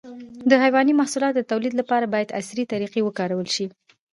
د حيواني محصولاتو د تولید لپاره باید عصري طریقې وکارول شي.